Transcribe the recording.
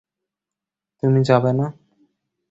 তুমি যাবে না?